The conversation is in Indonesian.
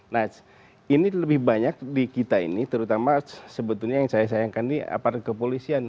nah ini lebih banyak di kita ini terutama sebetulnya yang saya sayangkan ini aparat kepolisian